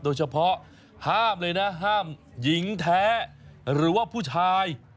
ห้ามเลยนะห้ามหญิงแท้หรือว่าผู้ชาย